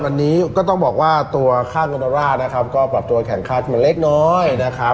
วันนี้ก็ต้องบอกว่าตัวค่าเงินโดร่าก็ปรับตัวแข่งคามาเล็กน้อย